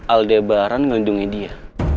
aldebaran ngundungin dia